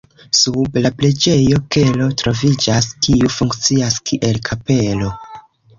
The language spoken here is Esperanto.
Sub la preĝejo kelo troviĝas, kiu funkcias, kiel kapelo.